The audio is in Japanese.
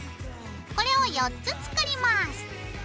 これを４つ作ります。